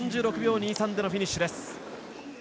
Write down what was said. ４６秒２３でのフィニッシュです。